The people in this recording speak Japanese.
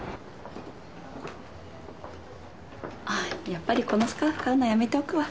やっぱりこのスカーフ買うのやめておくわ。